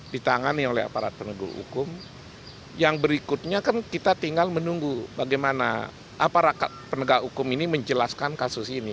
ditangani oleh aparat penegak hukum yang berikutnya kan kita tinggal menunggu bagaimana aparat penegak hukum ini menjelaskan kasus ini